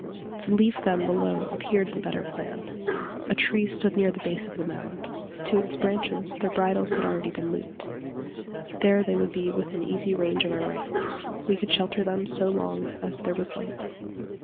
To leave them below appeared the better plan. A tree stood near the base of the mound. To its branches their bridles had been already looped. There they would be within easy range of our rifles. We could shelter them so long as there was light.